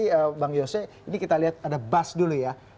chart lagi bang yose ini kita lihat ada buzz dulu ya